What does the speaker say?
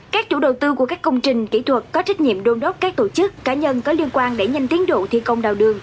các chủ đầu tư của các công trình kỹ thuật có trách nhiệm đôn đốc các tổ chức cá nhân có liên quan để nhanh tiến độ thi công đào đường